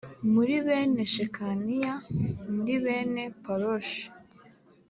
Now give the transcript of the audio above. muri bene shekaniya muri bene paroshi